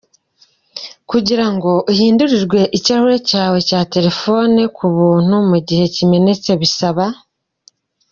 Kugirango uhindurirwe ikirahuri cya telefone yawe k’ubuntu mu gihe kimenetse bisaba: .